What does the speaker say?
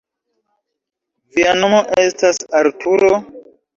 Via nomo estas Arturo?